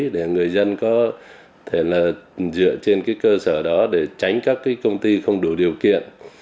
để người dân có thể dựa trên cơ sở đó để tránh các công ty không đủ điều kiện